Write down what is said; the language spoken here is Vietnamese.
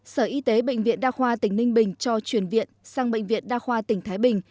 sở y tế bệnh viện đa khoa tỉnh ninh bình cho chuyển viện sang bệnh viện đa khoa tỉnh thái bình